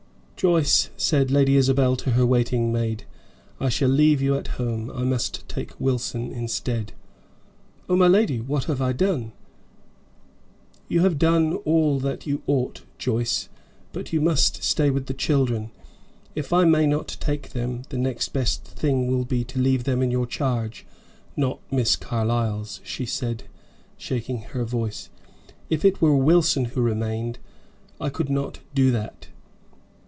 "Joyce," said Lady Isabel to her waiting maid, "I shall leave you at home; I must take Wilson instead." "Oh, my lady! What have I done?" "You have done all that you ought, Joyce, but you must stay with the children. If I may not take them, the next best thing will be to leave them in your charge, not Miss Carlyle's," she said, shaking her voice; "if it were Wilson who remained, I could not do that."